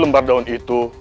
tujuh lembar daun itu